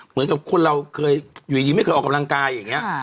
เหมือนกับคนเราเคยอยู่ดีไม่เคยออกกำลังกายอย่างนี้